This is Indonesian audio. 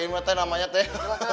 motorin mah namanya teh